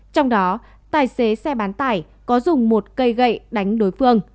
trong đó tài xế xe bán tải có dùng một cây gậy đánh đối phương